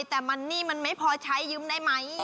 แต่มันนี่มันไม่พอใช้ยืมได้ไหม